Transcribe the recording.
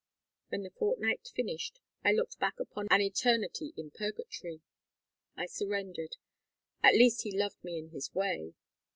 When the fortnight finished I looked back upon an eternity in purgatory. I surrendered; at least he loved me in his way.